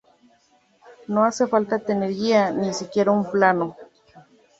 No hace falta tener guía, ni siquiera un plano.